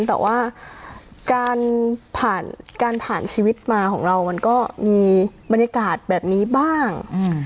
แต่ว่าการผ่านการผ่านชีวิตมาของเรามันก็มีบรรยากาศแบบนี้บ้าง